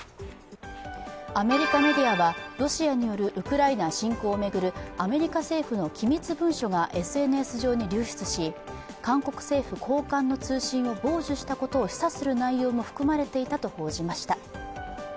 アメリカメディアはロシアによるウクライナ侵攻を巡るアメリカ政府の機密文書がＳＮＳ上に流出し韓国政府高官の通信を傍受したことを示唆する内容も含まれていたと報じました。